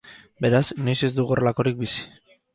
Beraz, inoiz ez dugu horrelakorik bizi.